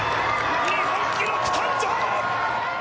日本記録誕生。